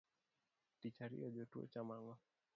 Tich ariyo jotuo chamo ang’o?